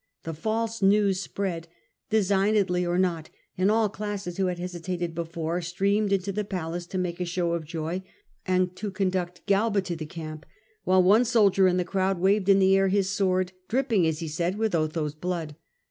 The false news spread, designedly or not, and all classes who had hesitated before streamed into the palace to make a show of joy, and to conduct Galba to the camp, while one soldier in the crowd waved in the air his sword, dripping, as he said, with Otho's blood.